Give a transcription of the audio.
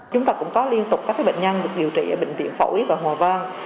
chúng ta cũng có liên tục các bệnh nhân được điều trị ở bệnh viện phổi và hòa vang